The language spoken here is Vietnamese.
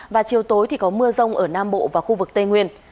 và chiều tối thì có mưa rông ở nam bộ và khu vực tây nguyên